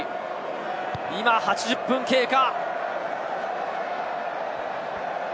今８０分経過。